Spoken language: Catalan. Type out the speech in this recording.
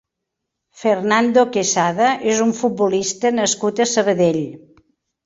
Fernando Quesada és un futbolista nascut a Sabadell.